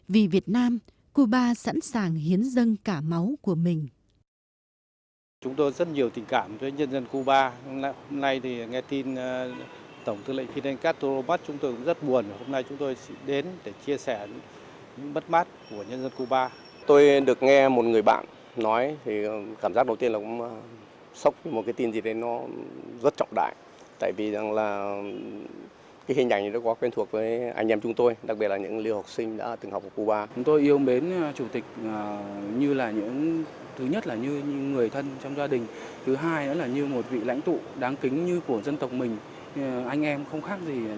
vì việt nam cuba sẵn sàng hiến dân cả máu của mình